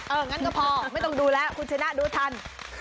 งั้นก็พอไม่ต้องดูแล้วคุณชนะดูทัน